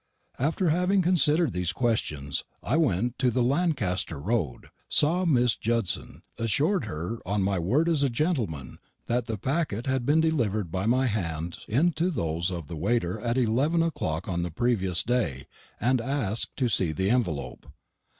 After having considered these questions, I went to the Lancaster road, saw Miss Judson assured her, on my word as a gentleman, that the packet had been delivered by my hands into those of the waiter at eleven o'clock on the previous day, and asked to see the envelope.